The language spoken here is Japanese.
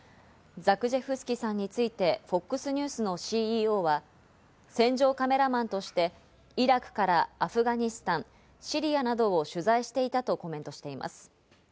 ザクジェフスキさんについてＦＯＸニュースのＣＥＯは戦場カメラマンとしてイラクからアフガニスタン、シリアなどを取材していたとコメントしています。